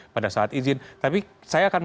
pada saat izin tapi saya akan